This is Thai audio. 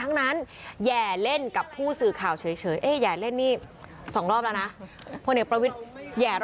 งานโรคโซเชียลวิจัย